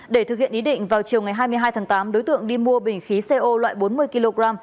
để thực hiện ý định vào chiều ngày hai mươi hai tháng tám đối tượng đi mua bình khí co loại bốn mươi kg